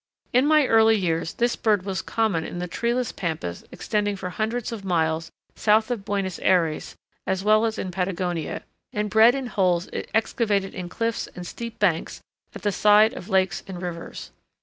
In my early years this bird was common on the treeless pampas extending for hundreds of miles south of Buenos Ayres as well as in Patagonia, and bred in holes it excavated in cliffs and steep banks at the side of lakes and rivers.